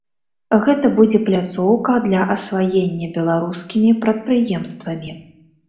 Гэта будзе пляцоўка для асваення беларускімі прадпрыемствамі.